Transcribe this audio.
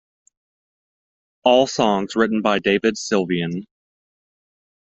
All songs written by David Sylvian.